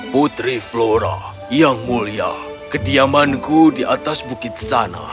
putri flora yang mulia kediamanku di atas bukit sana